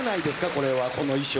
これはこの衣装。